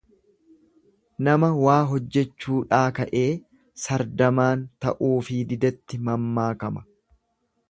Nama waa hojjechuudhaa ka'ee sardamaan ta'uufii didetti mammaakama.